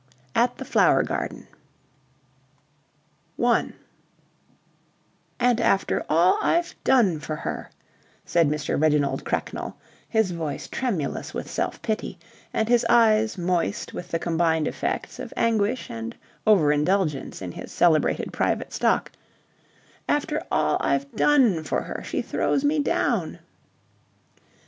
AT THE FLOWER GARDEN 1 "And after all I've done for her," said Mr. Reginald Cracknell, his voice tremulous with self pity and his eyes moist with the combined effects of anguish and over indulgence in his celebrated private stock, "after all I've done for her she throws me down."